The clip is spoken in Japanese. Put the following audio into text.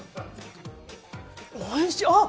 おいしい！